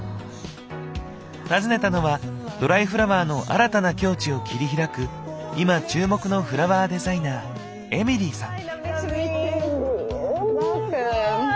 訪ねたのはドライフラワーの新たな境地を切り開く今注目のフラワーデザイナーエミリーさん。